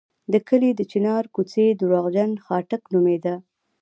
د کلي د چنار کوڅې درواغجن خاټک نومېده.